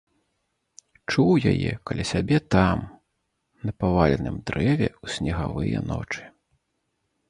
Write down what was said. Чуў яе каля сябе там, на паваленым дрэве ў снегавыя ночы.